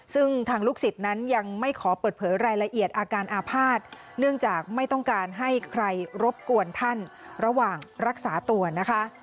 ซึ่งทางลูกศิษย์นั้นยังไม่ขอเปิดเผยรายละเอียดอาการอาภาษณ์เนื่องจากไม่ต้องการให้ใครรบกวนท่านระหว่างรักษาตัวนะคะ